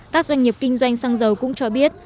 các doanh nghiệp kinh doanh xăng dầu cũng cho biết